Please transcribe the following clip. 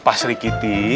pak sri kiti